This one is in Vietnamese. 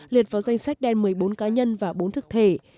liệt vào danh sách đen một mươi bốn cá nhân và bốn thức thể